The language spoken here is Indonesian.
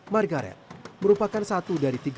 margaret merupakan satu dari tiga puluh lima warga asing